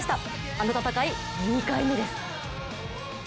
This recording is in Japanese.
あの戦い、２回目です。